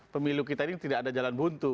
pemilu kita ini tidak ada jalan buntu